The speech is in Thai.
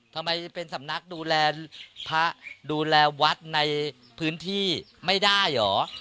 ทำไมเป็นสำนักดูแลพระดูแลวัดในพื้นที่ไม่ได้เหรอ